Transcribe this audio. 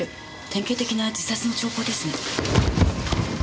典型的な自殺の兆候ですね。